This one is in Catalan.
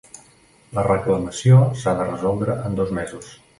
La reclamació s'ha de resoldre en dos mesos.